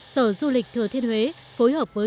sở du lịch thừa thiên huế phối hợp với